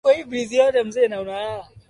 inajulikana na manyoya yake ya rangi ya kijani